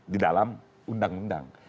di dalam undang undang